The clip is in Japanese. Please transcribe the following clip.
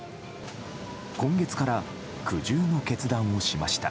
今月から苦渋の決断をしました。